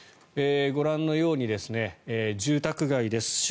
ご覧のように住宅街です。